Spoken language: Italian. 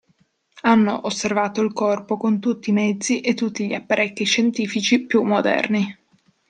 Hanno osservato il corpo con tutti i mezzi e tutti gli apparecchi scientifici più moderni.